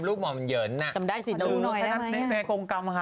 ลูกหม่อเยินน่ะจำได้สิโครงกรรมค่ะ